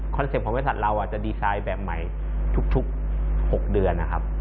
เซ็ปต์ของบริษัทเราจะดีไซน์แบบใหม่ทุก๖เดือนนะครับ